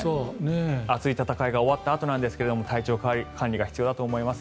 熱い戦いが終わったあとなんですが体調管理が必要だと思います。